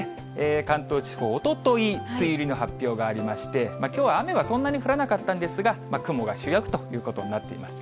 関東地方、おととい、梅雨入りの発表がありまして、きょうは雨はそんなに降らなかったんですが、雲が主役ということになっています。